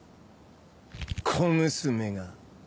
小娘が。